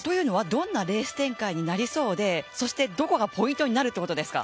どういうレース展開になりそうでどこがポイントになりそうですか？